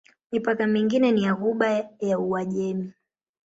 Mipaka mingine ni ya Ghuba ya Uajemi.